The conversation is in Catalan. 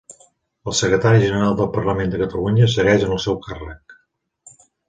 El secretari general del Parlament de Catalunya segueix en el seu càrrec